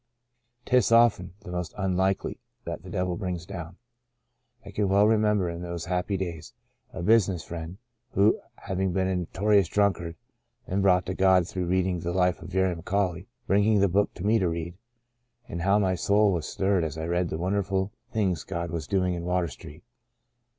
Tis often the most unlikely that the devil brings down. " I can well remember in those happy days a business friend, who having been a notori ous drunkard and brought to God through reading the life of Jerry McAuley, bringing ALEXANDER RUSSELL. The Portion of Manasseh 1 1 1 the book to me to read, and how my soul was stirred as I read of the wonderful things God was doing in Water Street.